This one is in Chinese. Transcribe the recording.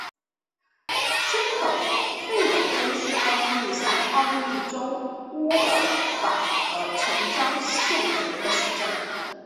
申肯费尔登是奥地利上奥地利州乌尔法尔城郊县的一个市镇。